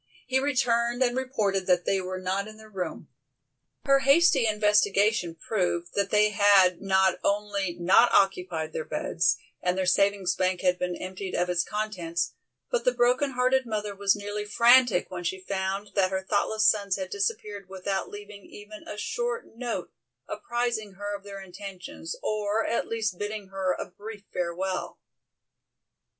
He returned and reported that they were not in their room. Her hasty investigation proved that they had not only not occupied their beds, and their savings bank had been emptied of its contents, but the broken hearted mother was nearly frantic when she found that her thoughtless sons had disappeared without leaving even a short note apprising her of their intentions, or at least bidding her a brief farewell.